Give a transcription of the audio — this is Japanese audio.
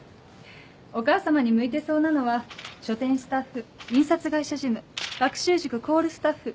お母様に向いてそうなのは書店スタッフ印刷会社事務学習塾コールスタッフ。